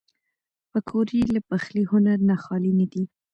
پکورې له پخلي هنر نه خالي نه دي